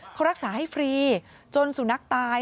เขารักษาให้ฟรีจนสุนัขตาย